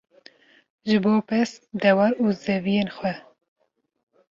ji bo pez, dewar û zeviyên xwe